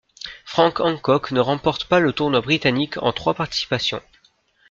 Frank Hancock ne remporte pas le Tournoi britannique en trois participations.